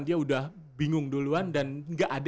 dia udah bingung duluan dan nggak ada